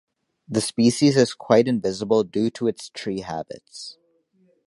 This species is quite invisible due to its tree habits.